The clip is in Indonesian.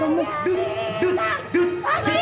ooh dia kata yuk